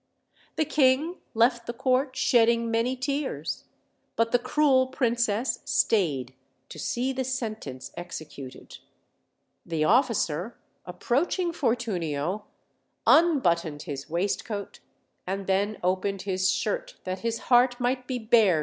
The king left the court shedding many tears; but the cruel princess stayed to see the sentence executed. The officer, approaching Fortunio, unbottoned his waistcoat, and then opened his shirt, that his heart might be bare OLD, OLD FAIR7 TALES.